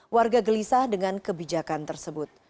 warga gelisah dengan kebijakan tersebut